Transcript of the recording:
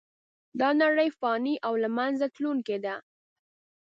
دا نړۍ فانې او له منځه تلونکې ده .